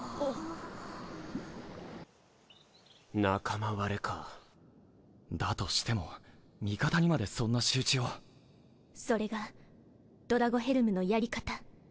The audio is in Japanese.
仲間割れかだとしても味方にまでそんな仕打ちをそれがドラゴヘルムのやり方